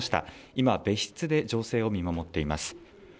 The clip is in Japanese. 今、別室で情勢を見守っています。